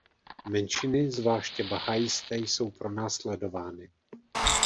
Menšiny, zvláště baháisté, jsou pronásledovány.